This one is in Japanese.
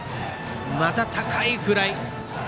また高いフライ。